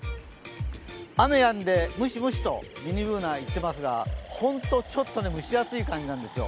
雨やんで、ムシムシとミニＢｏｏｎａは言っていますが、本当、ちょっと蒸し暑い感じなんですよ。